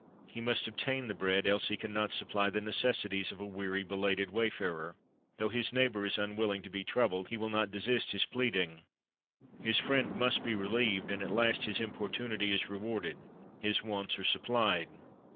He must obtain the bread, else he can not supply the necessities of a weary, belated wayfarer. Though his neighbor is unwilling to be troubled, he will not desist his pleading; his friend must be relieved; and at last his importunity is rewarded; his wants are supplied.